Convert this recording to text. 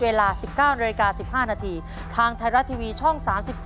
เวลา๑๙น๑๕นทางไทยรัฐทีวีช่อง๓๒